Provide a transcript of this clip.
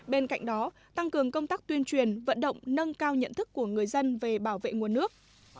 bên cạnh đó tăng cường công tác tuyên truyền vận động nâng cao nhận thức của người dân về bảo vệ nguồn nước